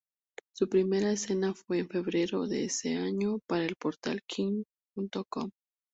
Su primera escena fue en febrero de ese año para el portal Kink.com.